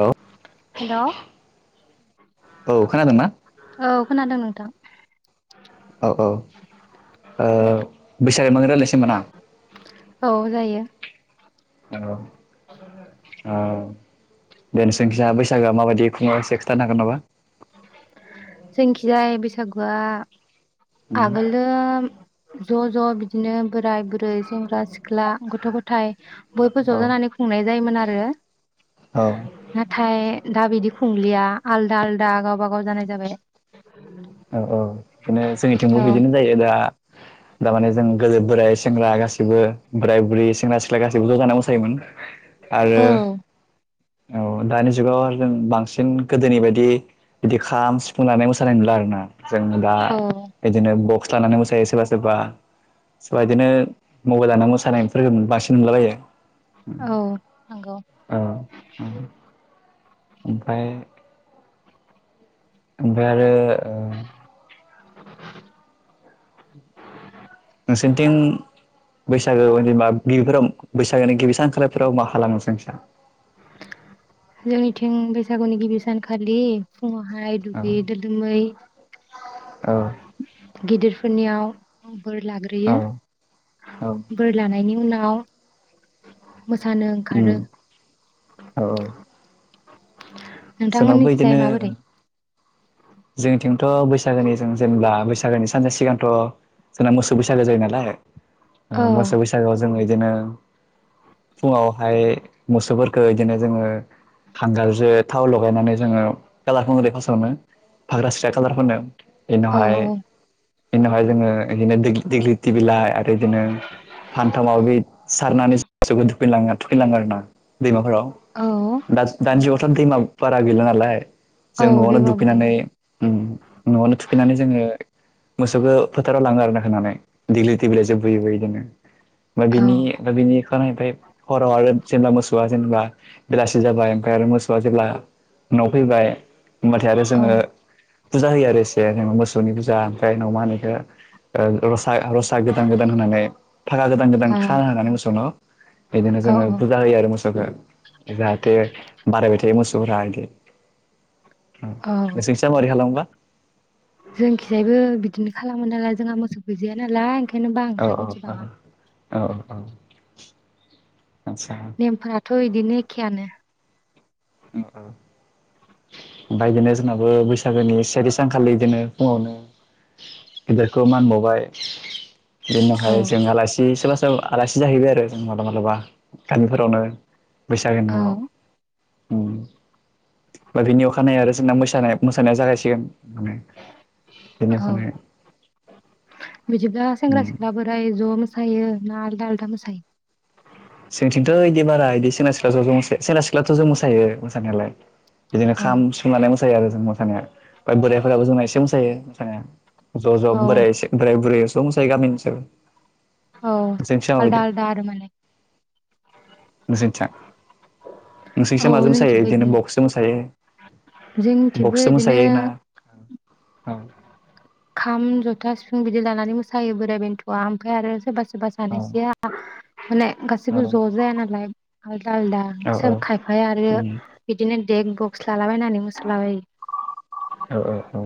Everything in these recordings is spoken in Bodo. औ [inaudible] औ खोनादों ना? खोनादों नोंथां। औ औ ओ बैसागोनि बागै रायलायनोसै होमब्ला ना औ जायो औ औ [unintelligible] नोंसिनिखिजा बैसोगोआ माबायदि खुङो एसे खिन्थानो हागोन नामा? जोंखिजाय बैसागुआ आगोलो ज' ज' बिदिनो बोराय बुरै सेंग्रा सिख्ला गथ' गथाय बयबो ज' औ जानानै खुंनाय जायोमोन आरो नाथाय दा बिदि खुंलिया आलदा आलदा गावबा गाव जानाय जाबाय औ औ बिदिनो जोंनिथिंबो औ बिदिनो जायो दा दामाने जों गोदो बोराय सेंग्रा गासैबो बोराय बुरै सेंग्रा सिख्ला गासैबो ज' जाना मोसायोमोन आरो औ औ दानि जुगाव जों बांसिन गोदोनि बायदि बिदि खाम सिफुंलानानै मोसानाय नुला आरो ना जोंङो दा औ बिदिनो बक्स लानानै मोसायो सोरबा सोरबा सोरबा बिदिनो मबाइल लानानै मोसानायफोरखौ बांसिन नुलाबायो औ नंगौ ओमफ्राय ओमफ्राय आरो ओ [unintelligible] नोंसोरनिथिं बैसागो बागै जेनबा गिबिफोराव बैसागोनि गिबि सानखालिफोराव मा खालामो नोंसोरनिथिं? जोंनिथिं बैसागुनि गिबि सानखालि फुङावहाय दुगै औ दोलोमै औ गिदिरफोरनियाव बोर लाग्रोयो औ बोर लानायनि उनाव मोसानो ओंखारो जोंनावबो नोंथांमोननिखिजाय बिदिनो माबोरै जोंथिंथ' बैसागोनि जों जेनेबा बैसागोनि सानसे सिगांथ' जोंना मोसौ बैसागो जायो नालाय औ मोसौ बैसागोआव जो एदिनो फुङावहाय मोसौफोरखौ एदिनो जोङो हांगारजों थाव लगायनानै जोङो कालार फुनग्रोयो फास आवनो फाग्रा सिख्रा कालार फोनो औ एनिउनावहाय बेनिनावहाय जोङो एदिनो देग दिग्लिटि बिलाइ आरो बिदिनो फानथामाव माबाबि सारनानै मोसौखौ थुखैलाङो थुखैनो लाङो आरो ना। [inaudible] दैमाफोराव औ दाज दानि जुगाव दैमा बारा गैला नालाय औ जों न'आवनो दैमा दुफैनानै बोहैदों ओम न'आवनो थुफैनानै जोङो मोसौखौ फोथाराव लाङो आरोना होनानै। दिगलिटि बिलाइ जो बुयोबो बिदिनो ओमफाय औ बिनि ओमफाय बिनि खानायबाय हराव आरो जेनेबा मोसौआ जेनेबा बेलासि जाबाय ओमफाय आरो मोस ओ जेब्ला उनाव फैबाय होमबाथाय आरो जोङो फुजा होयो आरो एसे जेनबा बोसो [unintelligible] रसा गोदान गोदान होनानै फागा गोदान गोदान आ खाना होनानै मोसौनाव बिदिनो औ जोङो फुजा होयो आरो मोसौखौ जाहाथे मेथाइ मोसौ रागे औ [unintelligible] जोंखिजायबो बिदिनो खालामो नालाय जोंहा मोसौ गैजाया नालाय ओंखायनो औ बांद्राय मिथिबाङा औ औ औ औ आदसा नेमफोराथ' एद दिनो एखेयानो ओमफाय एदिनो जोंनाबो बैसागोनि सेथि सानखालि बिदिनो फुङावनो गिदिरखौ मानबावबाय औ बिनिनावहाय जों आलासि सोला आलासि जाहबाय आरो जों मालाब मालाबा। गामिफोरावनो बैसागोनि औ नामाव। उम बा बेनि अखानायै आरो [unintelligible] मोसानाय मोसानाया जागायसिगोन औ [unintelligible] बिदिब्ला सेंग्रा उम सिख्ला बोराय ज' मोसायो? ना आलदा आलदा मोसायो? जोंथिंथ' इदि बारा इदि सेंग्रा सिख्ला ज' ज' मोसायो सेंग्रा सिख्लाथ' जों मोसायो मोसानायालाय बिदिनो औ खाम सिफुं लाना मोसायो आरो जों मोसानाया ओ बोरायफोराबो जोंना एसे मोसायो ओ ज' ज औ बोराय एसे बोराय बुरै एस दंसै गामि ओनसोल औ आलदा आलदा आरो माने [unintelligible] औ नोंसिंसा माजों मोसायो जोंनिथिंबो इदिनो बक्सजों मोसायो जोंनिथिंबो बक्सो इदिनो मोसायो ना औ खाम जथा सिफुं बिदि लानानै मोसायो बोराइ बेन्थ'आ ओमफ्राय आरो सोरबा स बा औ सानैसोआ माने औ गासिबो ज' जाया नालाय हार आलदा आलदा औ सोर खायफाया आरो उम बिदिनो देख बक्स लालाबायनानै मोसालाबायो ओ ओ औ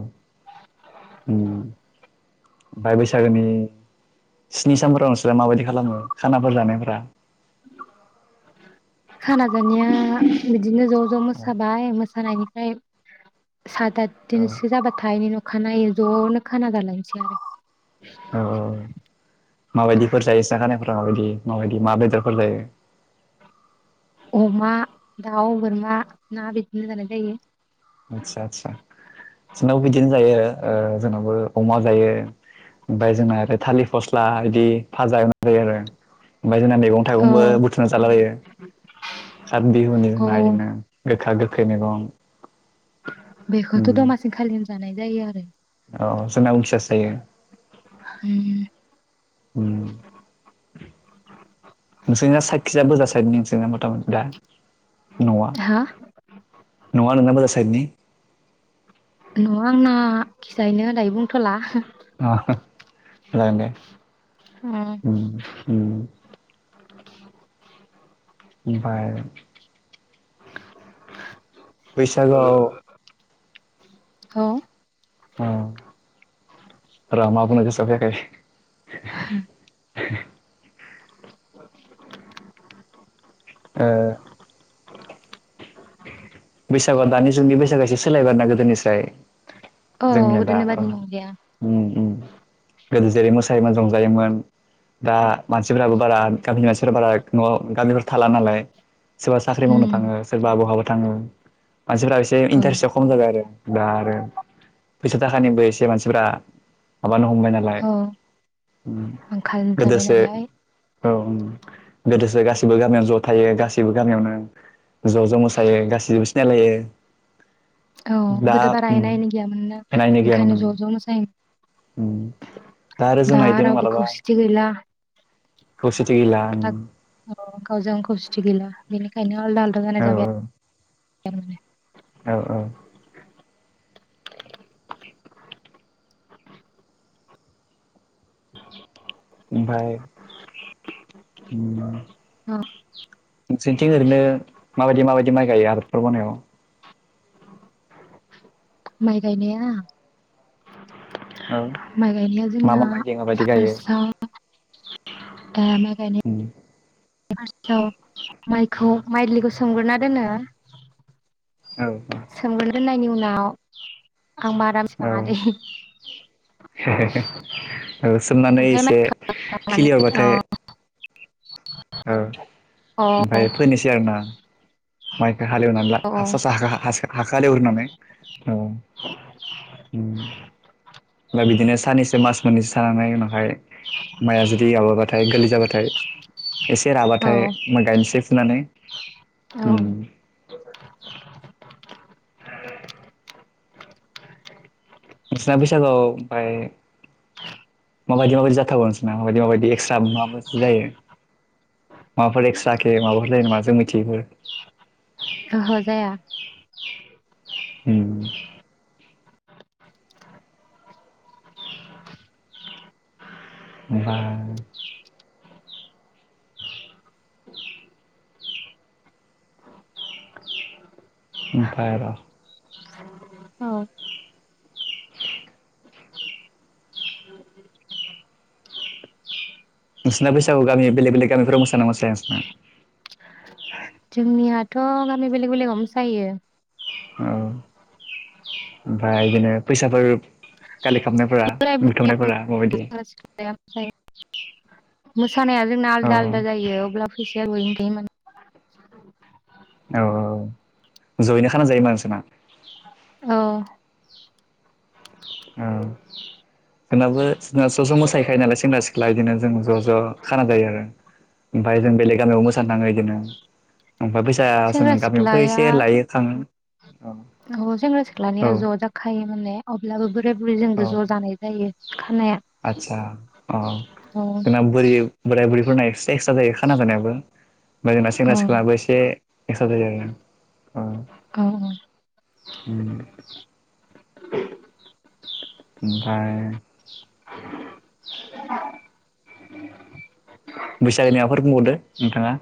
उम फाय बैसागोनि स्नि सानफोराव नोंस्रा माबायदि खालामो खानाफोर जानायफोरा खाना जानाया बि दिनो ज' ज' औ मोसाबाय मोस सानायनिफ्राय सात आत औ दिनसो जाबाथाय अखानायो ज' खाना जालायनोसै आरो औ औ माबायदिफोर जायो एसे हानायफोर [unintelligible] माबायदि माबायदि मा बेदरफोर जायो अमा दाउ बोरमा ना बिदिनो जानाय जायो आदसा आदसा जोंहाबो अमा जायो ओमफाय जोंना आरो थालिर फस्ला बिदि भाजा एवना जायो आरो ओमफाय जोंना मेगं औ थाइगंबो बुथुमना जालाबायो खाथ बिहुनि औ [unintelligible] गोखा गोखै मैगं बेखौथ' दमासिन खालिनो जानाय जायो आरो अ अ जोंना उनखैजासो जायो उम उम नोंसोरनिया [unintelligible] [unintelligible] न'आ हा न'आ नोंना बोजा साइडनि न'आ आंना खिजायहैनो दायो बुंथ'ला अ नोंथां जागोनदे उम उम [unintelligible] ओमफाय बैसागोआव औ अ र' मा बुनो गोसोआव फैयाखै [unintelligible] [unintelligible] [unintelligible] बैसागु दानि जुगनि बैसागो सोलायबायना गोदोनिस्राय औ जोंनिया दा गोदोनि बादि नंलिया उम उम गोदो जेरै मोसायो मोन रं जायोमोन दा। मानसिफोराबो बारा गामिनि मानसिफोरा बारा न'आव गामिफोर थाला नालाय सोरबा साख्रि मावनो उम थाङो। बहाबा थाङो। मानसिफोरा एसे औ इन्टारेस्टआ खम जाबाय आरो। दा आरो फैसा थाखानिबो एसे मानसिफ्रा माबानो हमबाय नालाय औ आंखाल जाबाय गोदोसो नालाय औ गोदोसो गासिबो गामियाव ज' थायोबो गा गासिबो गामियावनो ज' ज' मोसायो गासैबो सिनायलायो औ गोदो बारा एना एनि गैयामोन ना एनि गैयामोन ओंखायनो ज' ज' मोसायोमोन आरो दा जोंना बिदिनो रावबो मालाबा खौसेथि गैला। खौसेथि गैला औ [unintelligible] खौसेथि गैला बेनिखायनो आलदा आलदा जानाय औ जाबाय [unintelligible] औ औ ओमफ्राय [unintelligible] औ नोंसोरनिथिं ओरैनो माबायदि माबायदि माइ गायो आबादफोर मावनायाव? माइ गायनाया औ माइ गायनाया मा जोंना मा माइ गायो माबायदि गायो फार्स्टआव माइ गायनाया फार्स्टआव माइखौ माइलिखौ सोमग्रोना दोनो। औ औ सोमग्रोना दोननायनि उनाव आं बारा औ मिथिबाङा दै औ सोमनानै ओमफ्राय माइ एसे माने खिलि अ अरबाथाय औ अ औ ओमफाय फोनोसै आरोना माइखो हालेवनानै ला हासा सा औ हाखो हालेवग्रोनानै औ ओमफाय बिदिनो साननैसो मास मोननैसो थानानै उनाव फाय माइया जुदि माबाबाथाय गोरलै जाबाथाय एसे राबाथाय औ मो गायनोसै फुनानै ओम [inaudible] [inaudible] नोंसोना फैसागोआव ओमफाय माबायदि माबायदि जाथावो माबायदि माबायदि माबायसि जायो माबाफोर एक्सट्राखे माबाफोरलायो नामा जोंनिथिबो ओहो जाया होम बा ओमफाय र औ नोंसिना बैसागु गामि बेलेग बेलेग गामिफोराव मोसाना मोसाया नोंसोरना? जोंनियाथ' गामि बेलेग बेलेगाव मोसायो। औ ओमफाय इदिनो फैसाफोर कालेक्ट खामनायफोरा बोराय बुथुमनायफोरा माबायदि? मो सानाया जोंना औ आलदा आलदा जायो अब्ला फैसाया [unintelligible] [inaudible] औ औ जयैनो खाना जायो मा नोंसोरना? औ औ जोंनाबो जोंना ज ज मोसायखायो नालाय सेंग्रा सिख्ला इदिनो जों ज ज खाना जायो आरो। ओमफाय जों बेलेग गामियाव मोसानो थाङो इदिनो। ओमफ्राय फैसा सेंग्रा जोङो गामियावबो सिख्लाया एसे लायो खाङो औ औ जोङो सिख्लानिया औ ज' जाखायो माने अब्ला बो औ आतसा अ औ जोंना बुरै बोराय बुरैफोरना एकस्ट्रा जायो खाना जानायाबो ओमफ्राय जोंना सेंग्रा सिख्लाबो औ एसे एकस्ट्रा जायो आरोना। औ औ औ ओमफ्राय [inaudible] बैसागोनि माबाफोर बुंबावदो नोंथाङा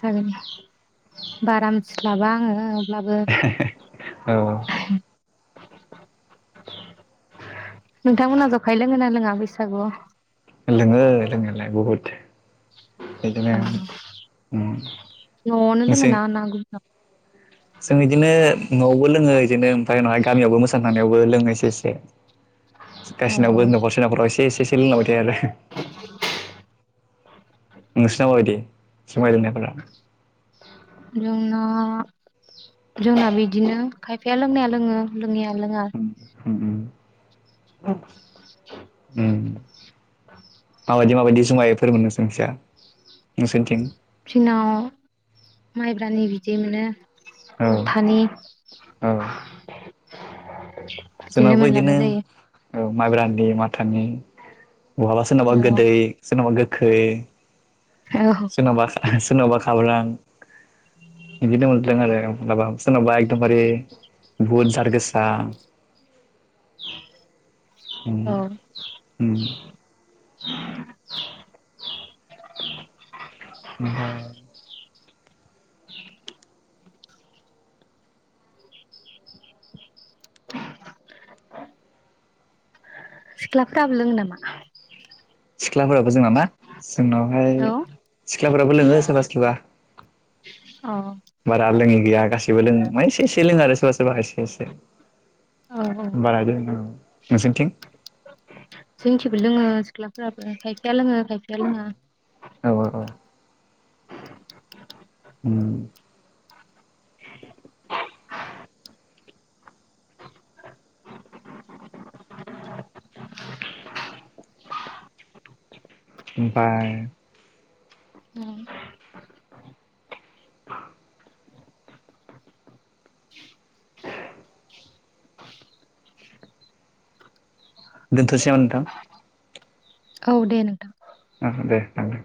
जागोन बारा मो थिस्लाबा आङो अब्लाबो औ नोंथांमोनहा जखाय लोङो ना लोङा बैसागुआव? लोङो लोंनायालाय बहुत नवावनो जों दङना ना गुबु नाव जों इदिनो नव बो लोङो बिदिनो ओमफ्राय उनावहाय गामियावबो मोसानो थांनायावबो लोङो एसे एसे गासिनावबो अ नखरसे नखराव एसे एसे एसे लोंलांबाय थायो आरो नोंसिनाव माबायदि जुमाय लोंनायफोरा? जोंना जोंना बिदिनो खायफाया लोंनाया लोङो लोंङैया लोङा उम उम उम उम माबायदि माबायदि जुमाय? फोर मोनो नोंसोरथिजा नोंसोरनिथिं? जोंनाव माइब्रानि बिदै मोनो औ माथानि [inaudible] बिदिनो जोंनाबो इदिनो मोनलानाय जायो औ माइब्रानि माथानि [inaudible] बहाबा सोरनावबा औ गोदै सोरनावबा गोख खै औ सोरनावबा सोरनावबा खाब्रां बिदिनो [unintelligible] [unintelligible] सोरनावबा एखदम बारे बुदजारगोसा उम [inaudible] औ। उम [inaudible] [inaudible] [inaudible] ओमफ्राय सिख्लाफ्राबो लोङो नामा? सिख्लाफोराबो जोंना ना जोंनावहाय औ सिख्लाफोराबो लोङो सोरबा सोरबा औ बारा लोङ गैया गासैबो लोङ माने से से लोङो आरो सोरबा सोरबा एसे एसे औ औ बारा लोंआ। नोंसिनिथिं? जोंथिबो लोङो सिख्लाफोराबो खायफाया लोङो खायफाया लोङा। औ औ उम ओमफाय [unintelligible] [unintelligible] [unintelligible] थ'सै ओनथां? औ दे नोंथां। ओ दे दानदो।